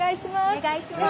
お願いします！